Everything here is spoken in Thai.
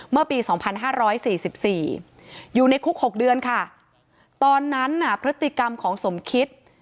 เมื่อปี๒๕๔๔อยู่ในคุก๖เดือนค่ะตอนนั้นน่ะพฤติกรรมของสมคิต